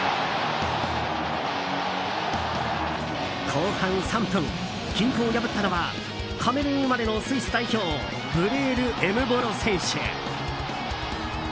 後半３分、均衡を破ったのはカメルーン生まれのスイス代表ブレール・エムボロ選手。